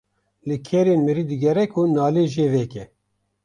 Li kerên mirî digere ku nalê jê veke.